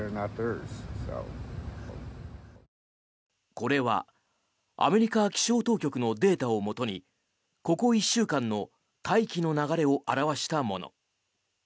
これはアメリカ気象当局のデータをもとにここ１週間の大気の流れを表したもの。